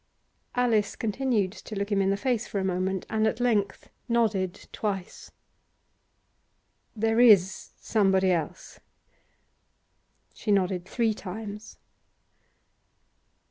Alice continued to look him in the face for a moment, and at length nodded twice. 'There is somebody else?' She nodded three times.